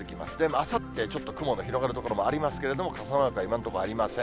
あさって、ちょっと雲の広がる所もありますけども、傘マークは今のところありません。